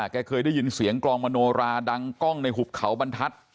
เคยได้ยินเสียงกลองมโนราดังกล้องในหุบเขาบรรทัศน์